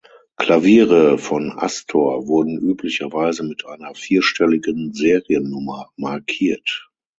Klaviere von Astor wurden üblicherweise mit einer vierstelligen Seriennummer markiert.